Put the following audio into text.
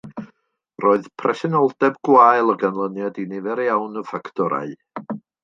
Roedd presenoldeb gwael o ganlyniad i nifer iawn o ffactorau